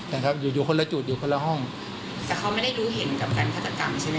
นะครับอยู่อยู่คนละจุดอยู่คนละห้องแต่เขาไม่ได้รู้เห็นกับการฆาตกรรมใช่ไหม